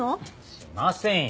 しませんよ。